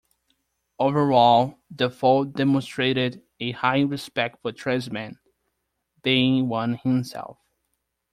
Overall Defoe demonstrated a high respect for tradesmen, being one himself.